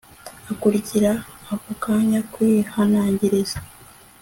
akurikira ako kanya kwihanangiriza